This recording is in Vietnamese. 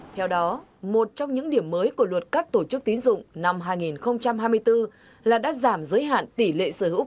theo đó một trong những điểm mới của luật các tổ chức tín dụng năm hai nghìn hai mươi bốn là đã giảm giới hạn tỷ lệ sở hữu